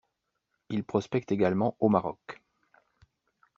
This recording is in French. Il prospecte également au Maroc.